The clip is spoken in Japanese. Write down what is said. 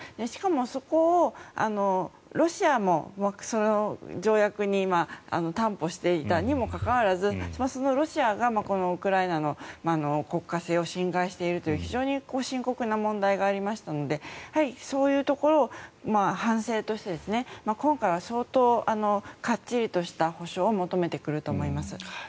しかも、そこをロシアもその条約に担保していたにもかかわらずそのロシアがウクライナの国家性を侵害しているという非常に深刻な問題がありましたのでやはりそういうところを反省として今回は相当かっちりとした保障を求めてくると思います。